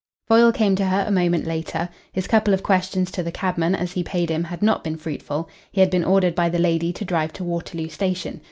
Foyle came to her a moment later. His couple of questions to the cabman as he paid him had not been fruitful. He had been ordered by the lady to drive to Waterloo Station.